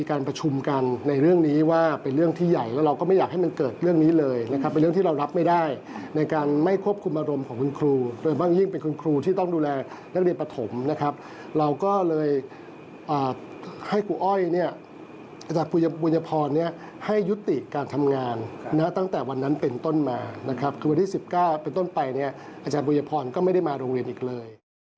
ก็เป็นต้นไปเนี่ยอาจารย์บูยพรก็ไม่ได้มาโรงเรียนอีกเลย